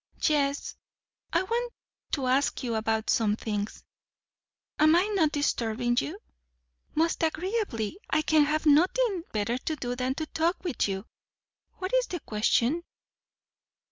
"Yes. I want to ask you about some things. Am I not disturbing you?" "Most agreeably. I can have nothing better to do than to talk with you. What is the question?"